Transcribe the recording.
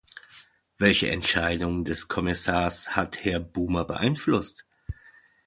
Welche Entscheidungen des Kommissars hat Herr Boomer beeinflusst?